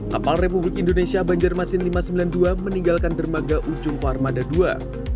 kapal republik indonesia banjarmasin lima ratus sembilan puluh dua meninggalkan dermaga ujung parmada ii